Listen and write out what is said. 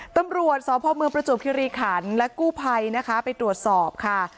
ตำรวจสพเมืองประจวบคิริขันและกู้ภัยนะคะไปตรวจสอบค่ะ